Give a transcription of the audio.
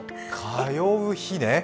通う日ね。